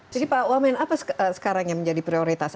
jadi pak uwamin apa sekarang yang menjadi prioritas